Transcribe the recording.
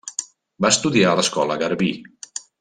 Va estudiar a l'Escola Garbí.